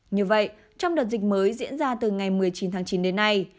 như vậy trong đợt dịch mới diễn ra từ ngày một mươi chín tháng chín đến nay